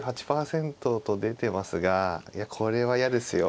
９８％と出てますがいやこれは嫌ですよ。